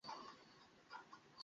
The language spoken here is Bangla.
আমি চাই সবাই বেঁচে থাকুক, ড্যানি।